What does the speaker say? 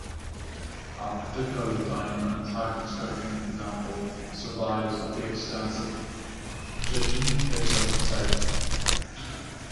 A particularly fine and intact inscription example survives at the extensive Chichen Itza site.